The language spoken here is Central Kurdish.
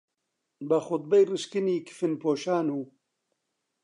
بە خوتبەی ڕشکنی کفنپۆشان و